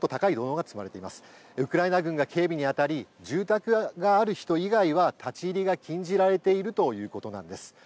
ウクライナ軍が警備に当たり住宅がある人以外は立ち入りが禁じられているということなんです。